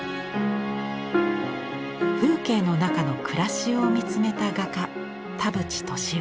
風景の中の暮らしを見つめた画家田渕俊夫。